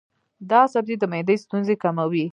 دا سبزی د معدې ستونزې کموي.